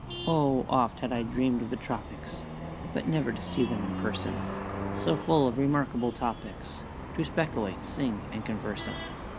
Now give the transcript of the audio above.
"Oh, oft had I dream'd of the tropics But never to see them in person So full of remarkable topics To speculate, sing, and converse on."